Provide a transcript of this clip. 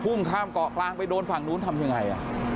เครื่องข้ามเกาะแปรงไปโดนฝั่งนู้นทำยังไงอ่ะ